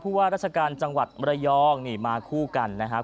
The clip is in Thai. ว่าราชการจังหวัดมรยองนี่มาคู่กันนะครับ